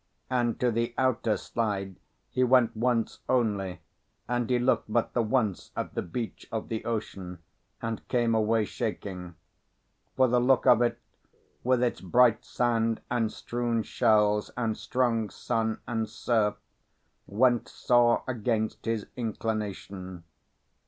And to the outer slide he went once only, and he looked but the once at the beach of the ocean, and came away shaking. For the look of it, with its bright sand, and strewn shells, and strong sun and surf, went sore against his inclination.